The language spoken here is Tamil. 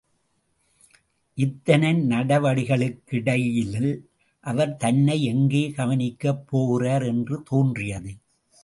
இத்தனை நடவடிக்கைகளுக்கிடையில் அவர் தன்னை எங்கே கவனிக்கப் போகிறார் என்று தோன்றியது.